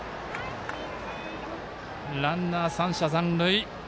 ランナー、３者残塁。